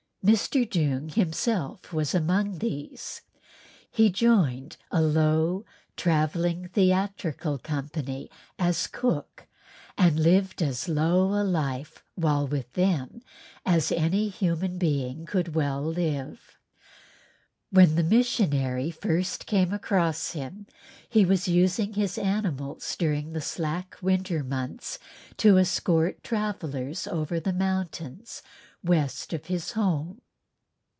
Mr. Doong himself was among these, he joined a low travelling theatrical company, as cook and lived as low a life while with them as any human being could well live. When the missionary first came across him he was using his animals during the slack winter months to escort travellers over the mountains west of his home.